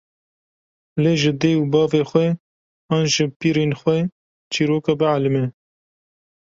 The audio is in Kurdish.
lê ji dê û bavê xwe an ji pîrên xwe çîroka bielime